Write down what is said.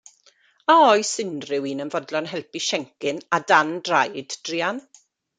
A oes unrhyw un yn fodlon helpu Siencyn a Dan Draed druan?